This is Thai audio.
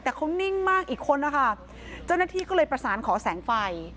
แต่เขานิ่งมากอีกคนนะคะเจ้าหน้าที่ก็เลยประสานขอแสงไฟ